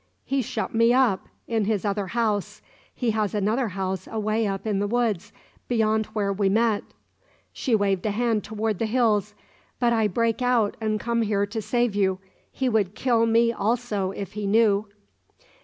He shut me up, in his other house he has another house away up in the woods, beyond where we met." She waved a hand towards the hills. "But I break out, and come here to save you. He would kill me also, if he knew."